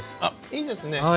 いいですね。